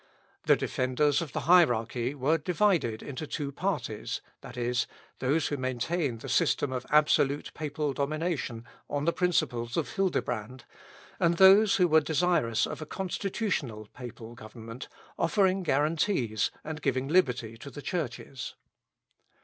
The defenders of the hierarchy were divided into two parties, viz., those who maintained the system of absolute Papal domination, on the principles of Hildebrand, and those who were desirous of a constitutional Papal government, offering guarantees and giving liberty to the churches.